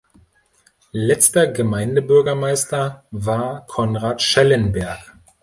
Letzter Gemeindebürgermeister war Konrad Schellenberg.